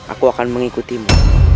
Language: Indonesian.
aku akan mengikutimu